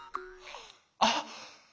あっ！